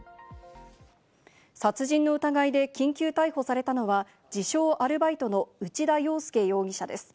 殺人の疑いで緊急逮捕されたのは、自称アルバイトの内田洋輔容疑者です。